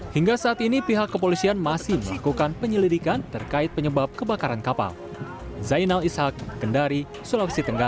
hingga saat ini pihak kepolisian masih melakukan penyelidikan terkait penyebab kebakaran kapal